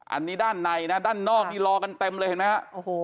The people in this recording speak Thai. อันนี้ด้านในนะด้านนอกนี่รอกันเต็มเลยเห็นไหมฮะโอ้โห